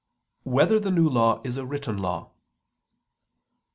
1] Whether the New Law Is a Written Law?